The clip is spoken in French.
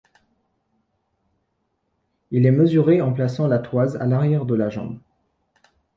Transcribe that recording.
Il est mesuré en plaçant la toise à l'arrière de la jambe.